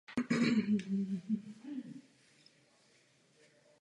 V emigraci pak přednášela na uměleckých školách.